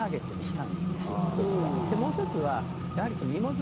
もう一つは。